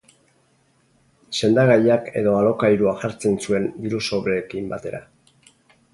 Sendagaiak edo Alokairua jartzen zuen dirusobreekin batera.